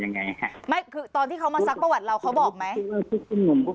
แกนี่กันตอนที่เขามาสรรคประวัติเราเค้าบอกไหม